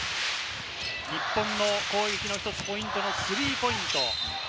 日本の攻撃の１つ、ポイント、スリーポイント。